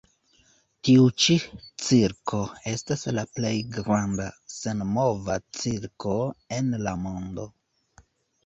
Tiu ĉi cirko estas la plej granda senmova cirko en la mondo.